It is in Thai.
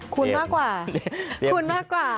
คุ้นมากกว่า